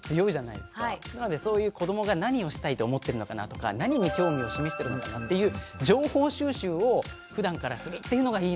なのでそういう子どもが何をしたいと思ってるのかな？とか何に興味を示してるのかな？っていう情報収集をふだんからするっていうのがいいのかなって。